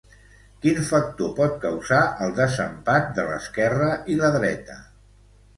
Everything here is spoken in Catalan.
Quin factor pot causar el desempat de l'esquerra i la dreta?